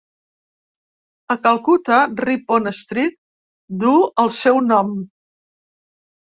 A Calcuta, Ripon Street duu el seu nom.